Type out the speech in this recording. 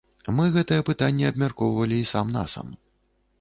Мы гэтае пытанне абмяркоўвалі і сам-насам.